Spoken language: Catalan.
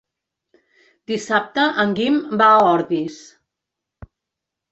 Dissabte en Guim va a Ordis.